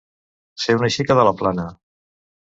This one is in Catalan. Ser una xica de la Plana.